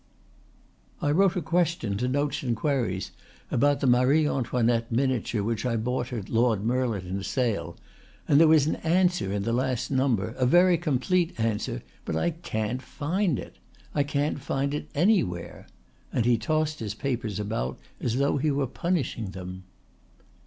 "I wrote a question to Notes and Queries about the Marie Antoinette miniature which I bought at Lord Mirliton's sale and there was an answer in the last number, a very complete answer. But I can't find it. I can't find it anywhere"; and he tossed his papers about as though he were punishing them.